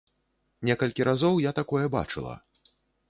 Некалькі разоў я такое бачыла.